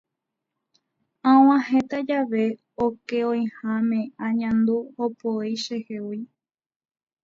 Ag̃uahẽta jave okẽ oĩháme añandu opoi chehegui.